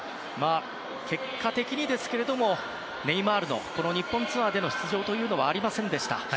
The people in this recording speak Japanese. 結果的にですけれどもネイマールの日本ツアーでの出場はありませんでした。